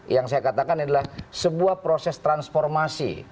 yang saya katakan adalah sebuah proses transformasi